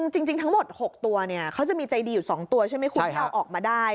จริงทั้งหมด๖ตัวเขาจะมีใจดีอยู่๒ตัวใช่ไหมคุณที่เอาออกมาได้